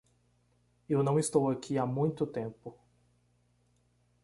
Eu não estou aqui há muito tempo!